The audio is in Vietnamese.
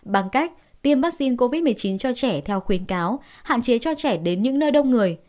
bằng cách tiêm vaccine covid một mươi chín cho trẻ theo khuyến cáo hạn chế cho trẻ đến những nơi đông người